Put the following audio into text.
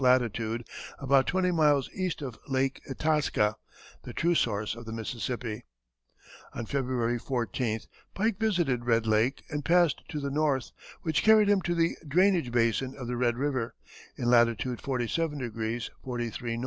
latitude, about twenty miles east of Lake Itasca, the true source of the Mississippi. On February 14th Pike visited Red Lake and passed to the north, which carried him to the drainage basin of the Red River, in latitude 47° 43´ N.